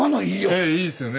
ええいいですよね。